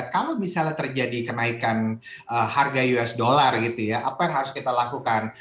kalau misalnya terjadi kenaikan harga us dollar gitu ya apa yang harus kita lakukan